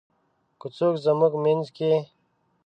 که څوک زمونږ مينځ کې :